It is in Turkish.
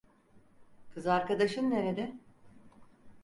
Kız arkadaşın nerede?